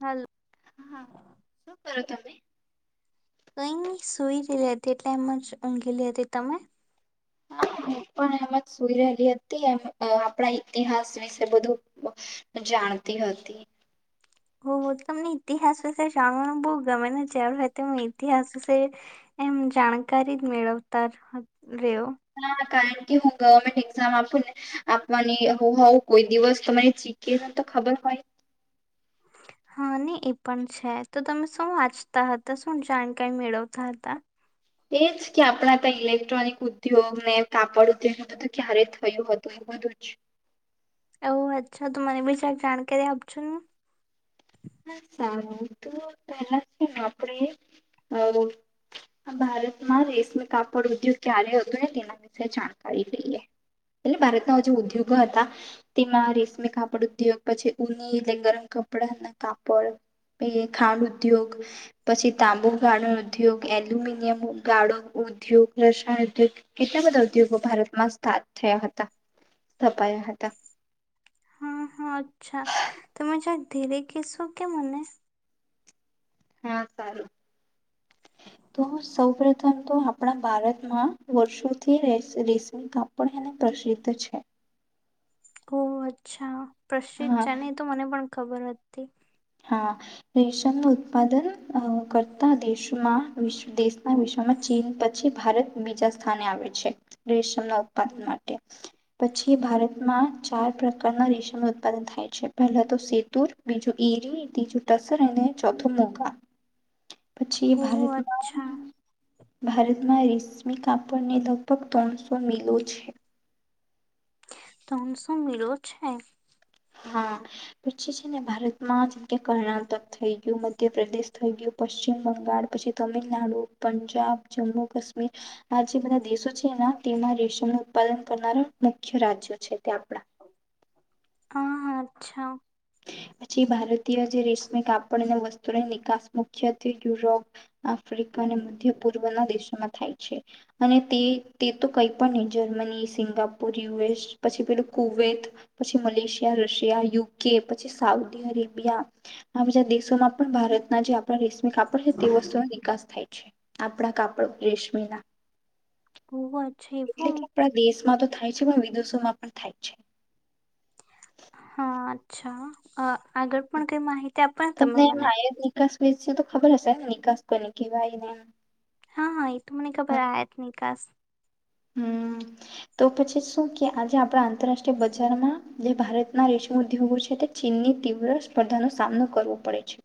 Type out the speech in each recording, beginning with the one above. હાલ હા શું કરો તમે કઈની સુઈ લેતી એટલે એમ જ ઊંઘી લેતી તમે. હા હ પણ એમાં જ સુઈ રહેલી હતી એ અ આપણા તિહાસ વિ બધું જાણતી હતી. હ તમને ઈતિહાસ વિશે જાણવાનું બહુ ગમે ને જારું હો તો ઇતિહાસ વિશે એમ જાણકારી જ મેળવતા રહ્યો હા કારણ કે હું ગવર્મેન્ટ એક્ઝામ આપું ને આપવાની હોઉ કોઈ દિવસ તરી ચી કે તો ખબર હોય હા ને એ પણ છે તો તમે શું વાંચતા હતા શું જાણકારી મેળવતા હતા. એજ કે આપણા ત ઇલેક્ટ્રોનિક ઉદ્યોગ ને કાપડ ઉદ્યોગ બધું ક્યારે થયું હતું એ બધું જ ઓ અચ્છા ત મને બી શક જાણકારી આપશોને. હા સારું તો પહેલા છે આપણેે અ ભારતમાં રેશમી કાપડ ઉદ્યોગ ક્યારે હતો ને તેના વિશે જાણકારી લઈએ એટલે ભારતના જે ઉદ્યોગો હતા તેમાં રેશમી કાપડ ઉદ્યોગ પછી ઉની ગરમ કપડા કાપડ પ ખાંડ ઉદ્યોગ પછી તાંબુ ગાળો ઉદ્યોગ એલ્યુમિનિયમ ગાળો ઉદ્યોગ રસાયણ ઉદ્યોગ કેટલા બધા ઉદ્યોગો ભારતમાં સ્ટાર્ટ થયા હતા. સ્થપાયા હતા હા હા અચ્છા તોમે જ ધરે કેસો કે મને હા સારું તો સૌપથમ તો આપણા ભારતમાં વર્ષોથી રેશમી કાપડ એને પ્રસિદ્ધ છે ઓ અચ્છા પ્રશ્ત હા છે નહી તો મને પણ ખબર હતી હતી હા રેશમનું ઉત્પાદન કરતા દેશોમાં વિશ્ દેશના વિશ્વમાં ચીન પછી ભારત બીજા સ્થાને આવે છે રેશમના ઉત્પાદન માટે પછી ભારતમાં ચાર પ્રકારના રેશમ ઉત્પાદન થાય છે પહેલા તો સેતુર બીજું પીરીથી ચુટસરને ચોથો મોગા પછી એ ઓહ ભારતમાં અચ્છા ભારતમાં રેશમી કાપડને લગભગ ત્રણસો મિલો છે ત્રણ સોશું મીલો છે હા પછી છે ને ભારતમાં જે કે કર્ણાટક થઈ ગયું મધ્યપ્રદેશ થઈ ગયું પશ્ચિમ બંગાળ પછી તમિલનાડુ પંજાબ જમ્મુ કાશ્મીર આ જે બધા દેશો છે તેમાં રેશમનું ઉત્પાદન કરનારા મુખ્ય રાજ્યો છે તે આપણા હા હા અચ્છા પછી ભારતીય જે રેશમી કાપડ અને વસ્તુની નિકાસ મુખ્યત્વે યુરોપ આફ્રિકા અને મધ્ય પૂર્વ ના દેશોમાં થાય છે અને તે તે તો કંઈ પણ નહી જર્મની સિંગાપુર યુએસ પછી પેલું કુવત પછી મલેશિયા રશિયા યુ કે પછી સાઉદી અરેબિયા આ બધા દેશોમાં પણ ભારતના જે આપડા કપડતી વસ્તુ નિકાસ થાય આપણા કાપડ રેશમી ના કો એટલે કે આપડા દેશમાં તો થાય છે પણ વિદેશોમાં પણ થાય છે હા અચ્છા આગળ પણ કઈ માહિતી આપો ને તમે તમને એ મને આાય જ નીકળ વેચતા તો ખબર હશે ને નિકાસ કોને કવા એને હા હા એ તું મને ખબર નિકાસ હમ તો પછી શું કે આજે આપણા આંતરરાષ્ટ્રીય બજારમાં જે ભારતના રેશમ ઉદ્યોગો છે તે ચીનની તીવ્ર સ્પર્ધાનો સામનો કરવો પડે છે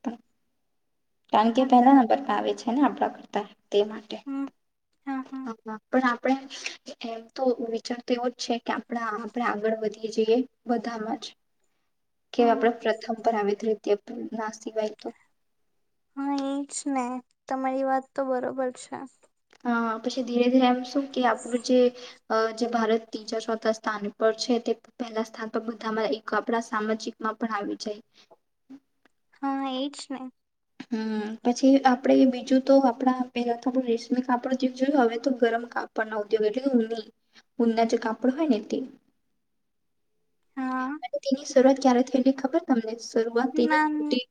કારણ કે હા પહેલા નંબર આવે છે એને આપણા કરતા તે માટે હમ હા હા હ પણ આપણે એમ તો વિચાર તો એવો જ છે કે આપણા આપણે આગળ વધીએ જઈએ બધામાં જ કે હમ આપણે પ્રથમ પર આવે જ રીતે ના સિવાય તો હા એજ ને તમારી વાત તો બરોબર છે અ પછી ધીરે ધીરે એમ શું કે આપણું જે જે ભારત ત્રીજા ચોથા સ્થાન પર છે તે પહેલા સ્થાન પર બધામાં એક આપણા સામાજિકમાં પણ આવી જાય હા એજ ને હમ પછી આપણે બીજું તો આપણા પેલા તો આપું રેશમી કાપડ જે જોયું હવે તો ગરમ કાપડ ના ઉદ્યોગ એટલે ની ઉનના જે કાપડ હોય ને તે હા [inaudible] શરૂઆત ક્યારે થયેલી ખબર તમને! શરૂઆત તેની ના કુટી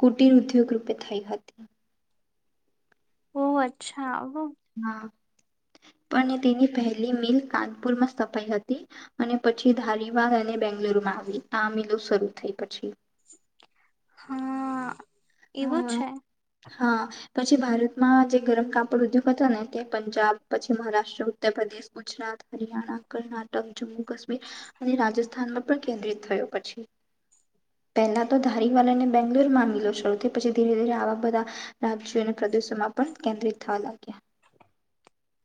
કુટીર ઉદ્યોગ યોગ રૂપે થઈ હતી. ઓહ અચ્છા. હાં. પણ તેની પહેલી મિલ કાનપુર માં સ્થપાઈ હતી. અને પછી ધારીવા અને બેંગ્લુરુ માં આવી આ મીલો. શરૂ થઈ પછી. હા એવું હા છે. હા પછી ભારતમાં જે ગરમ કાપડ ઉદ્યોગ હતા ને તે પંજાબ પછી, મહારાષ્ટ્ર, ઉત્તર પ્રદેશ, ગુજરાતય હરિયાણા, કર્ણાટક, જમ્મુ કાશ્મીર અને રાજસ્થાનમાં પણ કેન્દ્રિત થયો પછી. પહેલા તો ધારીવાલને બેંગલોર મીલો શરૂ પછી ધીરે ધીરે આવા બધા રાશને પ્રદેશોમાં પણ કેન્દ્રિત થવા લાગ્યા.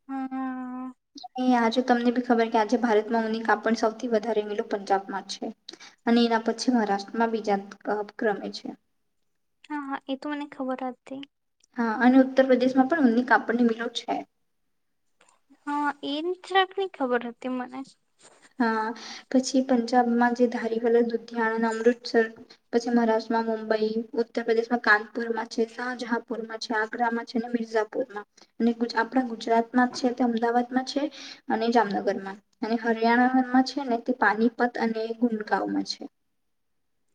હા હા એ આજે તમને બી ખબર કે આજે ભારતમાં ની કાપડ સૌથી વધારે મીલો પંજાબમાં છે અને એના પછી મહારાષ્ટ્રમાં બીજા ક્રમે છે. હા હા એ તો મને ખબર જ જ હતી. હા અને ઉત્તર પ્રદેશ માં પણ ઉનની કાપડની મિલો છે. હા એ જરાકની ખબર હતી મને. હા પછી પંજાબમાં જે ધારી હલ લુધિયાણા ના, અમૃતસર પછી મહારાષ્ટ્રમાં મુંબઈ, ઉત્તર પ્રદેશમાં કાનપુરમાં છે, શાહજહાપુરમાં છે. આગ્રામાં છે, અને મિર્ઝાપુરમાં અને આપણા ગુજરાતમાં છે તે અમદાવાદ છે અને જામનગર માં અને હરિયાણામાં છે ને તે પાનીપત અને ગુંડગંમાં છે.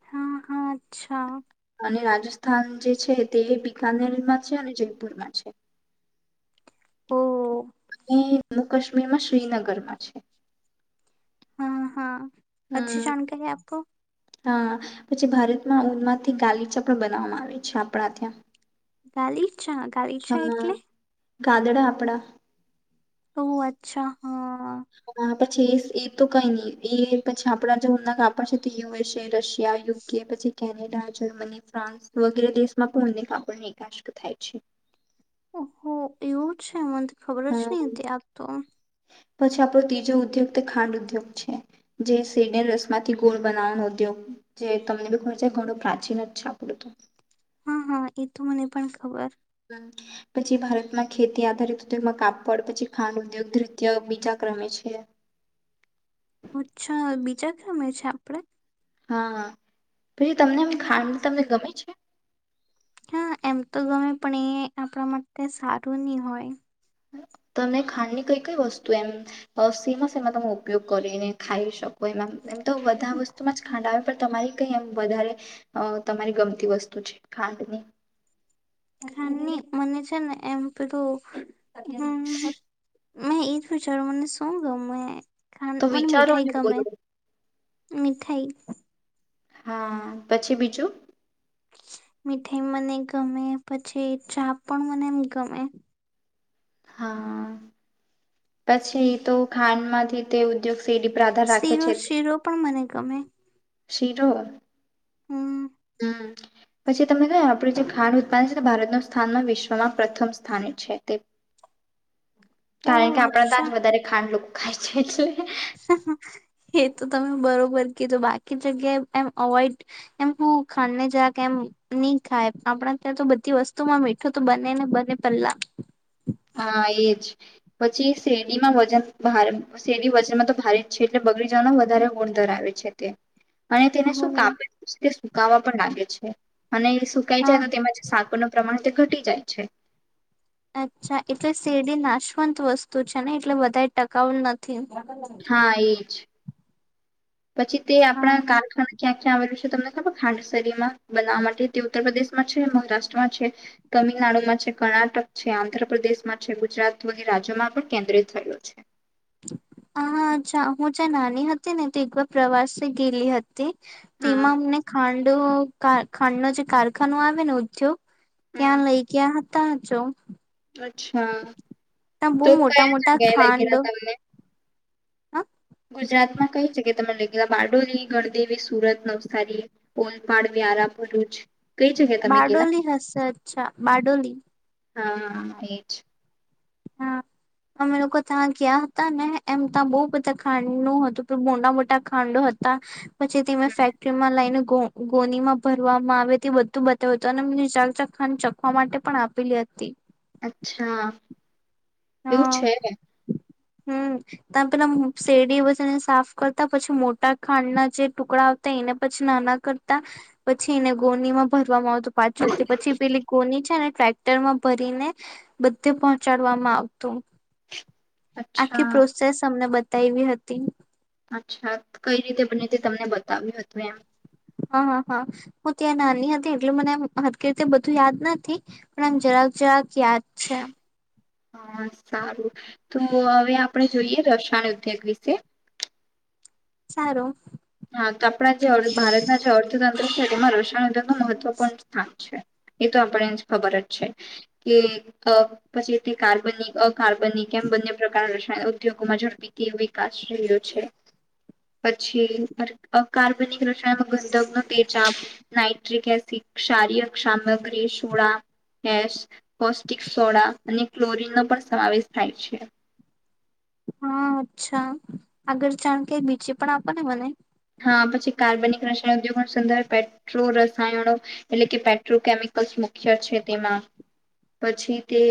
હા હા અચ્છા‌. અને રાજસ્થાન જે છે તે બકાનેરમાં છે, અને જયપુર માં. છે. [inaudible] ઓ [inaudible] હમ્મ. કાશ્મીર માં શ્રીનગરમાં છે. હા હા અચ્છી હમ જાણકારી આપકો. હા પછી ભારતમાં ઉનમાંથી ગાલીચા પણ બનાવવામાં આવે છે આપણા ત્યાં. ગાલી છા ગાલી છા હા એટલે? ગાદડા આપણાં ઓહ અચ્છા. હા પછી એ એ તો કઈ નહી એ પછી આપણા જે ઉના કાપડ છે તો યુએસ એ રશિયા યુકે પછી કેનેડા, જર્મની, ફ્રાસ વગેરે દેશમાં પણને કાપડની નિકાસ થાય છે. ઓહ એવું છે. મને તો ખબર જ હા નહીં આવું તો. પછી આપણો ત્રીજો ઉદ્યોગ તે ખાંડ ઉદ્યોગ છે જે સેડ રસમાંથી ગોળ બનાવવાનો ઉદ્યોગ જે તમને બી ખર ઘણો પ્રાચીન જ છે આપણું તો હા હા એ તો મને પણ ખબર પછી ભારતમાં ખેતી આધારિત ઉદ્યોગમાં કાપડ પછી ખાંડ ઉદ્યોગૃત્ય બીજા ક્રમે છે અચ્છા બીજા ક્રમે છે આપડે હા પછી તમને એમ ખાડ તમને ગમે છે હા એમ તો ગમે પણ એ આપણા માટે સારું નની હોય તમે ખાંડની કઈ કઈ વસ્તુ એમ સીમસ એમાં તમે ઉપયોગ કરીને ખાઈ શકો એમાં એમ તો બધા વસ્તુમાં જ ખંડ આવેવી પડ તમારી કઈ એમ વધારે તમારી ગમતી વસ્તુ છે ખાંડની ની મને છે ને એમ પેલું મેં એઈ જ વિચાર્યું મને શું ગ તો વિચારો ને બોલો મીઠાઈ હા પછી બીજું મીઠાઈ મને ગમે પછી ચા પણ મને એમ ગમે હા [inaudible] પછી તો ખાંડમાંથી તે ઉદ્યોગ શેરી પર આધાર રાખે શીરો છે શીરો પણ મને કમે શીરો હમ પછી તમને કયા આપડું જે ખાંડ ઉત્પાદન ભારત ન સ્થાનમાં વિશ્વમાં પ્રથમ સ્થાને છે તે ઓ કારણ કે આપણા તાજ અચ્છા વધારે ખાંડ લોકો ખાઈ છે છે એ તમે બરોબર તો બાકી જગ્યાએ એમ અવોઈડ એમ શ ખાંને જ કે એમ નહી ખાય આપણા ત્યા તો બધી વસ્તુમાં મીઠું તો બને ને બને પેહલા હા એજ પછી શેડીમાં વજન શેરડી વજનમાં તો ભારે જ છે એટલે બગડી જવાનું વધારે ગુણ ધરાવે છે તે અને તેને શું હમ કાપે સુકાવા પણ લાગે છે અને સુકાઈ હા જાય તો તેમાં જે સાકરનો પ્રમાણ તે ઘટી જાય છે અચ્છા એટલે શેરડી નાશવંત વસ્તુ છે ને એટલે બધા ટકાઉલ નથી હા હા એજ પછી તે આપણા હા કારખાના ક્યાં ક્યાં આવેલું છે તમને ખાડસરીમાં બનાવવા માટે તે ઉત્તર પ્રદેશમાં છે મહારાષ્ટ્રમાં છે તમિલનાડુમાં છે કર્ણાટક છે આંધ્રપ્રદેશમાં છે ગુજરાત વગી રાજ્યોમાં પણ કેન્દ્રિત થયલુ છે હા અચ્છા જ્યારે નાની હતી ને તે એકવાર પ્રવાસે ગેલી હતી તે હા તેમાં અમને ખાંડ ખાંડ ન જે કારખાનો આવે ને ઉદ્યોગ હમ ત્યાં લઈ ગયા તા જો અચ્છા ત્યાં બહુ તો મોટા કયા જગ્યાએ લઇ ગયેલા તમને હમ ગુજરાતમાં કઈ જગ્યા તમે લઈ ગયેલા બારડોલી ગણદેવી સુરત નવસારી ઓલપાડ વ્યારા ભરૂચ કઈ જગ્યાએ તમે ગેલા? બારડોલી હશે અચ્છા બારડોલી હા એજ હા અમે લોકો ત્યાં ગયા હતા ને એમ ત્યાં બહ બધા ખાંડ નું હતું મોટ મોટા ખાંડો હતા પછી તમાં ફેક્ટરી માં લઈને ગઉ ગોનીમાં ભરવામાં આવે તે બધું બતાવ્યું હતું અને મ ચકચાક ખા ચખવા માટે પણ આપેલી હતી અચ્છા એવું હા છે હમ તમે પેલા શેરડી પછ એને સાફ કરતા પછી મોટા ખાંડના જે ટુકડા આવતા એને પછી નાના કરતા પછી એને ગોનીમાં ભર આવું પાછું પછી પેલી કોની છે ને ટ્રેક્ટર માં ભરીને બધે પહોંચાડવામાં આવ તું આખી અચ્છા પ્રોસેસ અમને બ એવી હતી અચ્છા કઈ રીતે બને તે તમને બતાવ્યું હતું એમ હા હા હા હું ત્યાં નાની હતી એટલ મને હકી રીતે બધું યાદ નથી પણ આમ જરાક જરાક યાદ છે હા સારું તો હવે આપણે જોઈએ રસાયણ ઉદ્યોગ વિશે સારું શરીમાં રસાયણ ઉદ્યોગ ન મહત્વપૂર્ણ સ્થાન છે એ તો આપને ખબર જ છે કે પછી તે કાર્બનિક અકાર્બનિક એમ બંને પ્રકાર રસાયણ ઉદ્યોગોમાં ઝડપી કે વિકાસ રહ્યો છે પછી અકાર્બનિક રસાયણ ગંધકનો તેજા આપ નાઇટ્રિક એસિડ શારીય સામગ્રી સોડા કેસ પૌષ્ટિક સોડા અને ક્લોરીન નો પણ સમાવેશ થાય છે હા અચ્છા આગળ જાણ કે બીચે પણ આપો ને મને હા પછી કાર્બનિક રસાયણ ઉદ્યોગ સંર્ પેટ્રો રસાયણો એટલે કે પેટ્રોકેમિકલ્સ મુખ્ય છે તેમાં પછી તે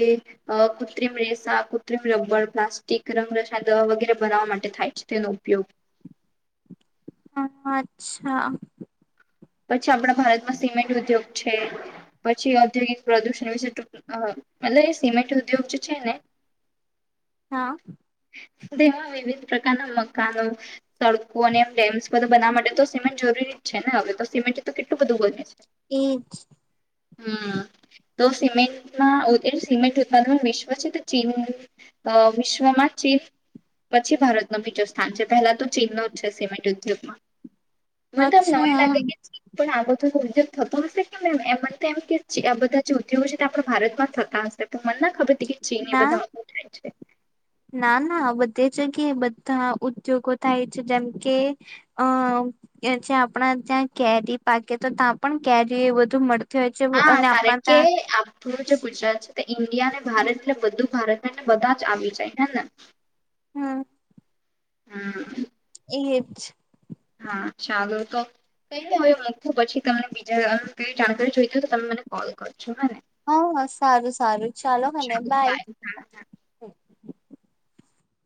કૃત્રિમ રેસા કૃત્રિમ રબર પ્લાસ્ટિક રંગ રસાયણ દવા વગેરે બનાવવા માટે થાય છે તેનો ઉપયોગ હમ અચ્છા પછી આપણા ભારતમાં સિમેન્ટ ઉદ્યોગ છે પછી ઔદ્યોગિક પ્રદૂષણ વિશે ટક મતલબ એ સિમેન્ટ ઉદ્યોગ જે છે ને હા ધ એમાં વિવિધ પ્રકારના મકાનો સડકો અને એમ ડેમ્સ બધ બનાવા માટે તો સિમેન્ટ જરૂરી જ છે ને હવે તો સિમેન્ટ તો કેટલું બધું બને છે એક જ હમ તો સિમેન્ટમાં સિમેન્ટ ઉત્પાદન વિશ્વ છે તો ચીન વિશ્વમાં ચી પછી ભારત ન બીજું સ્થાન છે પહેલા તો ચીનનો જ છે સિમેન્ટ ઉદ્યોગમાં મને તો નવાય અચ્છા લાગે કે ચીન પણ આ બધો ઉદ્યોગ થતો હશે કેમમ એમને તો એમ કે આ બધા જે ઉદ્યોગો છે તે આપણા ભારતમાં જ થતા હશે મને ના ખબર હતી કે ચીન એ ના બધા ઓ થાય છે હા બધી જગ્યાએ બધા ઉદ્યોગો થાય છે જેમ કે અ જે આપણા ત્યાં કેરી પાકે તો ત્યાં પણ કેરી એ બધું મળે હા કારણ કે આપું જે ગુજરાત છે ઈન્ડિયા ને ભારત એટલે બધું ભારત એને બધા જ આવી જાય હે ને હમ હમ એજ હા ચાલો તો કઈને હવે મૂકવું પછી તને બીજા કઈ જાણકારી જોઈતી હોય તો તમે મને કોલ કરો હા હ સારું સારું ચાલો મને બાય